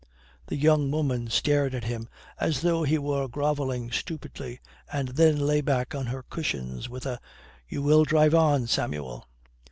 The young woman stared at him as though he were grovelling stupidity, and then lay back on her cushions with a "You will drive on, Samuel."